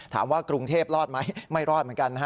ถามว่ากรุงเทพรอดไหมไม่รอดเหมือนกันนะฮะ